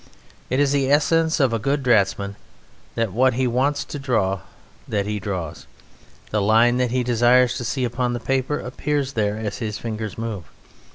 It is the essence of a good draughtsman that what he wants to draw, that he draws. The line that he desires to see upon the paper appears there as his fingers move.